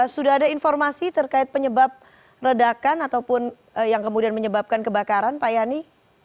sudah ada informasi terkait penyebab ledakan ataupun yang kemudian menyebabkan kebakaran pak yani